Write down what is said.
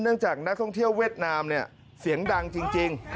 จากนักท่องเที่ยวเวียดนามเนี่ยเสียงดังจริง